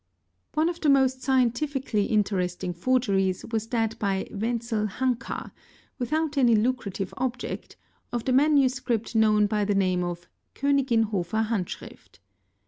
One of the most scientifically interesting forgeries was that by Wenzel Hanka, without any lucrative object, of the manuscript known by the name of Koeniginhofer Handschrift.